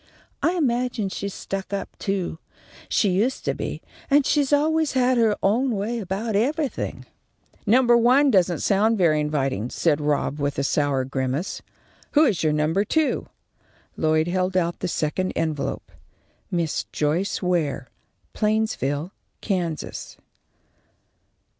I imagine she's stuck up, too. She used to be, and she's always had her own way about everything." "Number one doesn't sound very inviting," said Rob, with a sour grimace. "Who is your number two?" Lloyd held out the second envelope. _Miss Joyce Ware, Plainsville, Kansas.